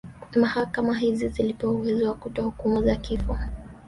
Mahakama hizi zilipewa uwezo wa kutoa hukumu za kifo